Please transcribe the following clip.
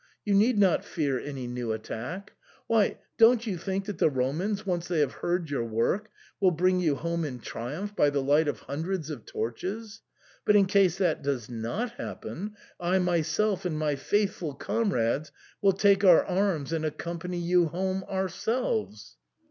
You need not fear any new attack ! Why, don't you think that the Ro mans, once they have heard your work, will bring you home in triumph by the light of hundreds of torches ? But in case that does not happen, I myself and my faithful comrades will take our arms and accompany you home ourselves."